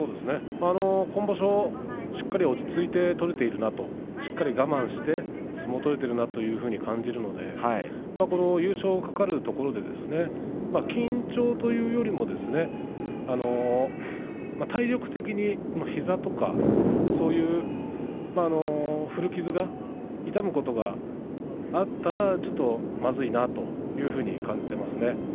今場所、しっかり落ち着いて取れているなとしっかり我慢して相撲が取れているなというふうに感じますのでこの優勝が懸かるところで緊張というよりも体力的に、膝とかそういう古傷が痛むのことがあったらまずいなというふうに感じていますね。